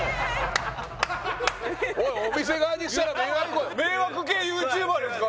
おいお店側にしたら迷惑行為迷惑系ＹｏｕＴｕｂｅｒですか？